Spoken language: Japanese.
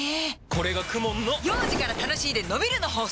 これがＫＵＭＯＮの幼児から楽しいでのびるの法則！